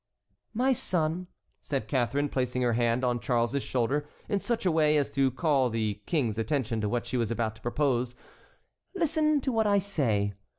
"My son," said Catharine, placing her hand on Charles's shoulder in such a way as to call the King's attention to what she was about to propose, "listen to what I say.